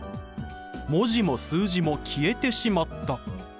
文字も数字も消えてしまった。